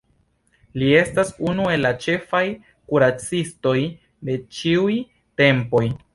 Li estas unu el la ĉefaj kuracistoj de ĉiuj tempoj.